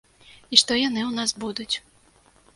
І што яны ў нас будуць.